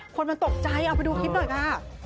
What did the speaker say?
คนมันตกใจเอาไปดูคลิปหน่อยค่ะ